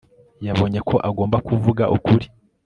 yabonye ko agomba kuvuga ukuri